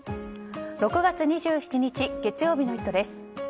６月２７日、月曜日の「イット！」です。